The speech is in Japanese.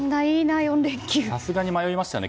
さすがに迷いましたよね